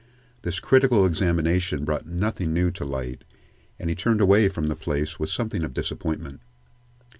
This critical examination brought nothing new to light, and he turned away from the place with something of disappointment.